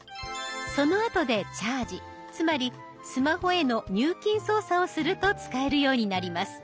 そのあとでチャージつまりスマホへの入金操作をすると使えるようになります。